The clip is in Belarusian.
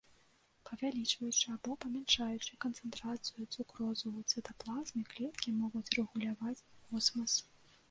Павялічваючы або памяншаючы канцэнтрацыю цукрозы ў цытаплазме, клеткі могуць рэгуляваць осмас.